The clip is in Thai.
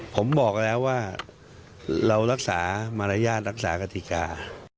ผมบอกแล้วว่าเรารักษามารยาทรักษากฎิกา